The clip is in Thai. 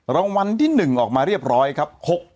รางวัลที่๑ออกมาเรียบร้อยครับ